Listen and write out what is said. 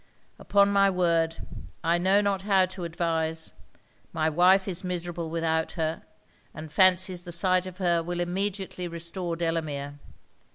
'Upon my word I know not how to advise: my wife is miserable without her, and fancies the sight of her will immediately restore Delamere.